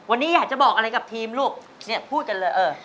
วันนี้อยากจะบอกอะไรกับทีมลูกเนี่ยพูดกันเลยเออ